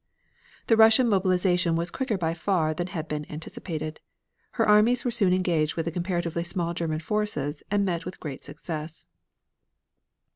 The Russian mobilization was quicker by far than had been anticipated. Her armies were soon engaged with the comparatively small German forces, and met with great success.